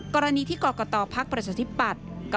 กรณีที่กรกตภักดิ์ประชาธิปัตย์